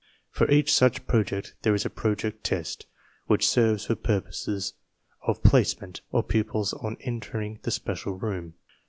For each such Project there is a Project Test, which serves for purposes of "placement" of pupils on enter ing the special room.